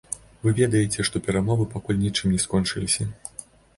Вы ведаеце, што перамовы пакуль нічым не скончыліся.